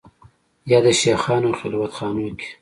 یا د شېخانو خلوت خانو کې